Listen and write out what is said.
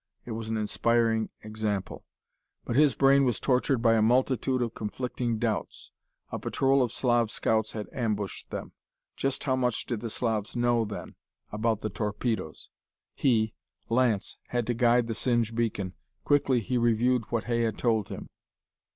It was an inspiring example. But his brain was tortured by a multitude of conflicting doubts. A patrol of Slav scouts had ambushed them. Just how much did the Slavs know, then, about the torpedoes? He, Lance, had to guide the Singe beacon. Quickly he reviewed what Hay had told him.